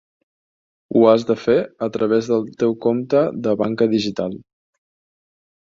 Ho has de fer a través del teu compte de banca digital.